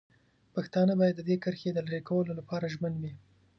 پښتانه باید د دې کرښې د لرې کولو لپاره ژمن وي.